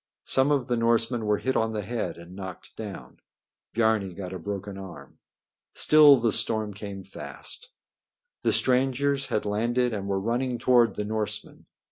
Some of the Norsemen were hit on the head and knocked down. Biarni got a broken arm. Still the storm came fast. The strangers had landed and were running toward the Norsemen.